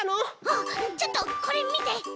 あっちょっとこれみて！